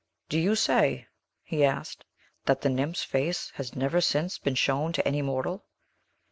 "Do you say," he asked, "that the nymph's race has never since been shown to any mortal?